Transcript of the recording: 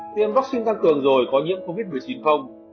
tiêm vaccine tăng cường rồi có nhiễm covid một mươi chín không